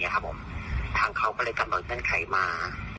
ทางเขาก็เลยกำหนดเงื่อนไขมา